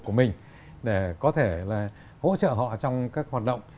của mình để có thể là hỗ trợ họ trong các hoạt động